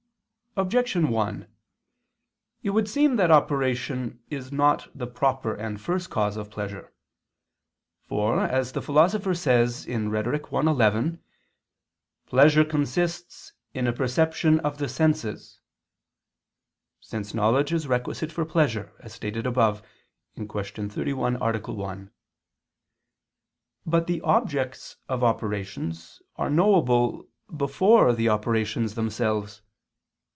Objection 1: It would seem that operation is not the proper and first cause of pleasure. For, as the Philosopher says (Rhet. i, 11), "pleasure consists in a perception of the senses," since knowledge is requisite for pleasure, as stated above (Q. 31, A. 1). But the objects of operations are knowable before the operations themselves.